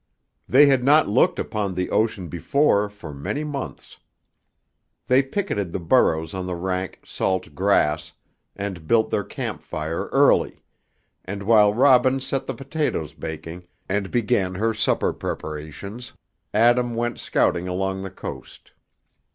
They had not looked upon the ocean before for many months. They picketed the burros on the rank, salt grass, and built their camp fire early, and while Robin set the potatoes baking, and began her supper preparations, Adam went scouting along the coast.